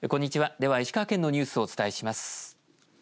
では石川県のニュースをお伝えします。